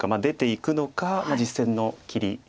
出ていくのか実戦の切り。